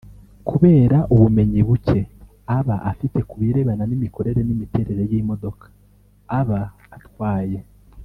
kubera ubumenyi bucye aba afite kubirebana n’imikorere n’imiterere y’imodoka aba atwaye